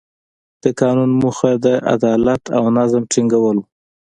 د قانون موخه د عدالت او نظم ټینګول وو.